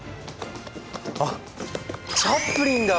あっチャップリンだ！